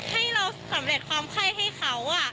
ให้เราสำเร็จความไข้ให้เขา